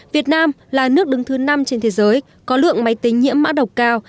việt nam là nước đứng thứ năm trên thế giới có lượng máy tính nhiễm mã độc cao